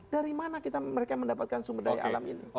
dari mana mereka mendapatkan sumber daya alam ini